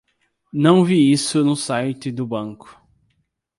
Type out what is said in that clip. Não vi isso no site do banco